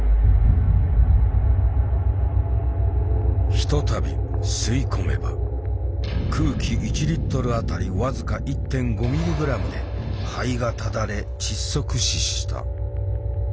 ひとたび吸い込めば空気１あたり僅か１．５ｍｇで肺がただれ窒息死した。